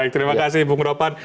terima kasih bung dapan